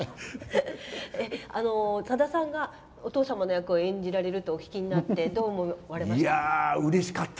さださんがお父様の役を演じられると聞いてどう思われました？